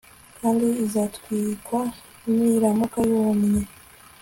Kandi izatwikwa niramuka yumye